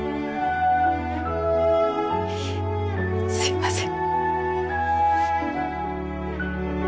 すいません。